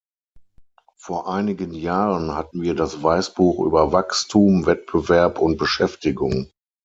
Vor einigen Jahren hatten wir das Weißbuch über Wachstum, Wettbewerb und Beschäftigung.